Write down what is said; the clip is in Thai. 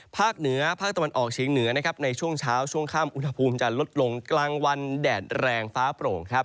ภาคเหนือภาคตะวันออกเฉียงเหนือนะครับในช่วงเช้าช่วงค่ำอุณหภูมิจะลดลงกลางวันแดดแรงฟ้าโปร่งครับ